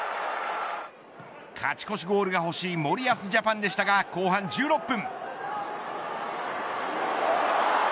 勝ち越しゴールが欲しい森保ジャパンでしたが後半１６分。